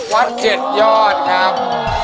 วัดเจ็ดยอดครับ